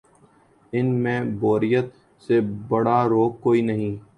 ان میں بوریت سے بڑا روگ کوئی نہیں۔